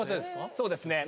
そうですね。